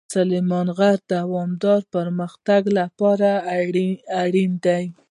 سلیمان غر د دوامداره پرمختګ لپاره اړین دی.